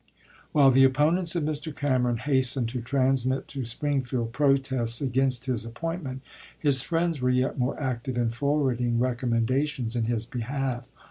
While the opponents of Mr. Cameron hastened to transmit to Springfield protests against his appointment, his friends were yet more active in forwarding recommendations in his behalf.